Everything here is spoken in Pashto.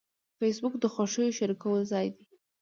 فېسبوک د خوښیو شریکولو ځای دی